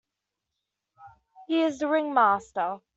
He is the ringmaster.